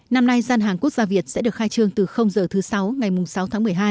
năm nay gian hàng quốc gia việt sẽ được khai trương từ giờ thứ sáu ngày sáu tháng một mươi hai